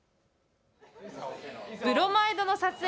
ブロマイドの撮影